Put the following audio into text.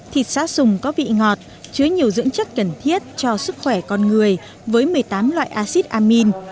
thịt xá sùng có vị ngọt chứa nhiều dưỡng chất cần thiết cho sức khỏe con người với một mươi tám loại acid amin